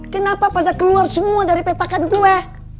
kenapa pada keluar semua dari petakan gue